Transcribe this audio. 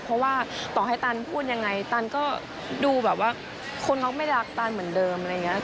เพราะว่าต่อให้ตันพูดยังไงตันก็ดูแบบว่าคนเขาไม่รักตันเหมือนเดิมอะไรอย่างนี้